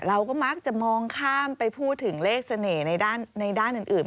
เราก็มักจะมองข้ามไปพูดถึงเลขเสน่ห์ในด้านอื่น